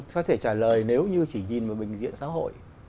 có thể trả lời nếu như chỉ nhìn một bệnh viện xã hội